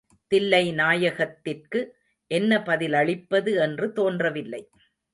தில்லைநாயகத்திற்கு என்ன பதிலளிப்பது என்று தோன்றவில்லை.